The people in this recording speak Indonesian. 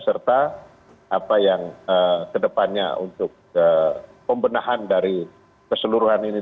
serta apa yang kedepannya untuk pembenahan dari keseluruhan ini